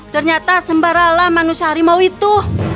ternyata sembaralah manusia harimau itu